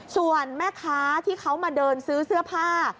ส่วนแม่ค้าที่เขามาเดินซื้อเสื้อผ้า